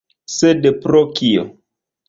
Sed pro kio?